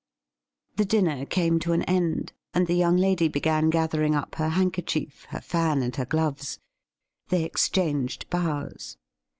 The dinner came to an end, and the young lady began gathering up her handkerchief, her fan, and her gloves. They exchanged bows.